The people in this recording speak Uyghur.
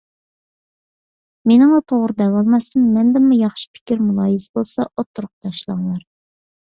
مېنىڭلا توغرا دەۋالماستىن، مەندىنمۇ ياخشى پىكىر، مۇلاھىزە بولسا ئوتتۇرىغا تاشلاڭلار.